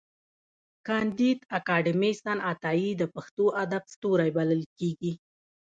کانديد اکاډميسن عطايي د پښتو ادب ستوری بلل کېږي.